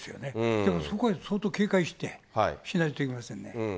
だから、そこは相当警戒してしないといけませんね。